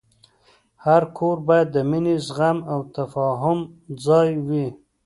هر کور باید د مینې، زغم، او تفاهم ځای وي.